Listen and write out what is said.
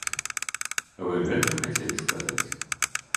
Вы гэта хацелі сказаць?